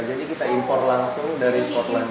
jadi kita impor langsung dari skotlandia